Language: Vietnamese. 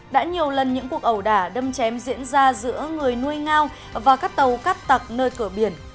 đã nhiều lần những cuộc ẩu đả đâm chém diễn ra giữa người nuôi ngao và các tàu cắt tặc nơi cửa biển